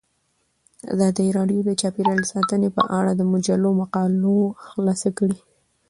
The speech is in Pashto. ازادي راډیو د چاپیریال ساتنه په اړه د مجلو مقالو خلاصه کړې.